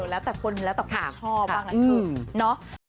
แล้วแต่พนุทิ์แล้วแต่กลุ่มชอบขึ้น